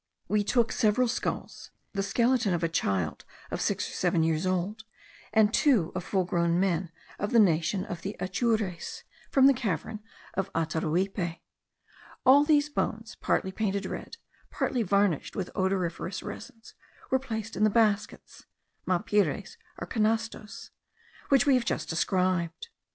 We took several skulls, the skeleton of a child of six or seven years old, and two of full grown men of the nation of the Atures, from the cavern of Ataruipe. All these bones, partly painted red, partly varnished with odoriferous resins, were placed in the baskets (mapires or canastos) which we have just described.